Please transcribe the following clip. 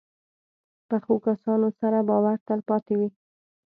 پخو کسانو سره باور تل پاتې وي